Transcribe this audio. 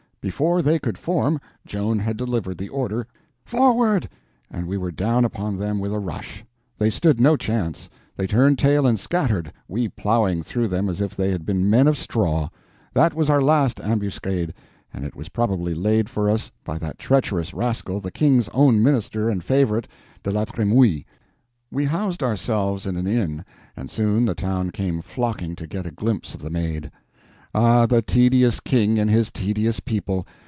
Before they could form, Joan had delivered the order, "Forward!" and we were down upon them with a rush. They stood no chance; they turned tail and scattered, we plowing through them as if they had been men of straw. That was our last ambuscade, and it was probably laid for us by that treacherous rascal, the King's own minister and favorite, De la Tremouille. We housed ourselves in an inn, and soon the town came flocking to get a glimpse of the Maid. Ah, the tedious King and his tedious people!